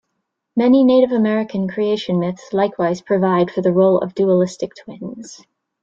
Many Native American creation myths likewise provide for the role of dualistic twins.